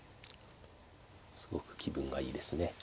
すごく気分がいいですね。